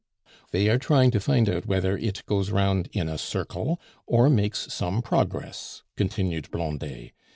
"They are trying to find out whether it goes round in a circle, or makes some progress," continued Blondet.